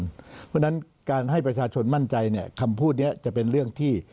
เพราะฉะนั้นการให้ประชาชนมั่นใจคำพูดนี้จะเป็นเรื่องที่